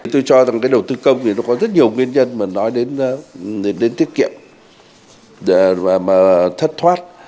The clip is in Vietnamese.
tôi cho rằng cái đầu tư công thì nó có rất nhiều nguyên nhân mà nói đến tiết kiệm và thất thoát